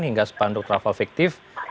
hingga spanduk travel fiktif